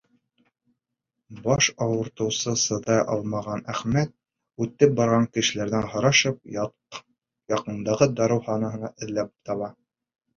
Баш ауыртыуына сыҙай алмаған Әхмәт, үтеп барған кешеләрҙән һорашып, яҡындағы дауахананы эҙләп таба.